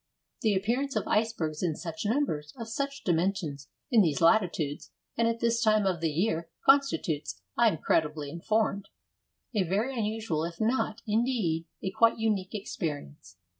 The appearance of icebergs in such numbers, of such dimensions, in these latitudes, and at this time of the year, constitutes, I am credibly informed, a very unusual if not, indeed, a quite unique experience.